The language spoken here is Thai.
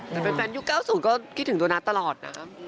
แต่เป็นแฟนยุค๙๐ก็คิดถึงตัวนัทตลอดนะครับ